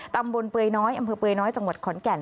เปยน้อยอำเภอเปยน้อยจังหวัดขอนแก่น